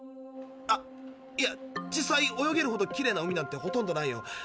あいや実際泳げるほどきれいな海なんてほとんどないよ。